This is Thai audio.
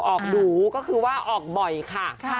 หนูก็คือว่าออกบ่อยค่ะ